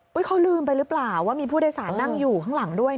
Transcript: เขาลืมไปหรือเปล่าว่ามีผู้โดยสารนั่งอยู่ข้างหลังด้วยนะ